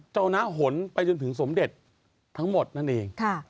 เจ้านะหนไปจนถึงสมเด็จทั้งหมดนั่นเอง